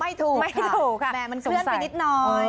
ไม่ถูกค่ะแมวมันเคลื่อนไปนิดน้อย